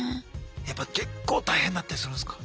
やっぱ結構大変だったりするんすか？